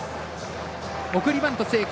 送りバント成功